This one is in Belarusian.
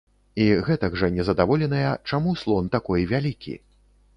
І гэтак жа незадаволеныя, чаму слон такой вялікі.